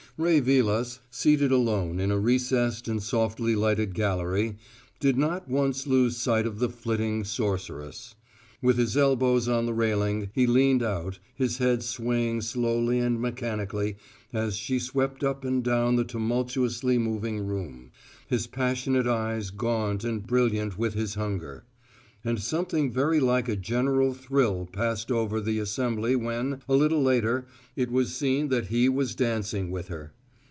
Ray Vilas, seated alone in a recessed and softly lighted gallery, did not once lose sight of the flitting sorceress. With his elbows on the railing, he leaned out, his head swaying slowly and mechanically as she swept up and down the tumultuously moving room, his passionate eyes gaunt and brilliant with his hunger. And something very like a general thrill passed over the assembly when, a little later, it was seen that he was dancing with her.